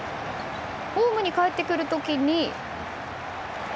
ホームにかえってくる時に。